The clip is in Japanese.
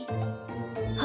あ！